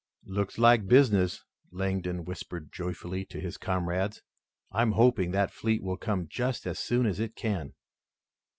"Looks like business," Langdon whispered joyfully to his comrades. "I'm hoping that fleet will come just as soon as it can."